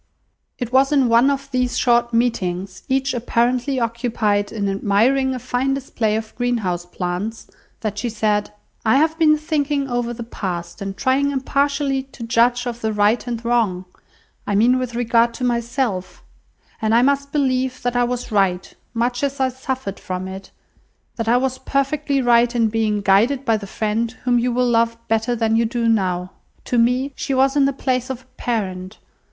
It was in one of these short meetings, each apparently occupied in admiring a fine display of greenhouse plants, that she said— "I have been thinking over the past, and trying impartially to judge of the right and wrong, I mean with regard to myself; and I must believe that I was right, much as I suffered from it, that I was perfectly right in being guided by the friend whom you will love better than you do now. To me, she was in the place of a parent.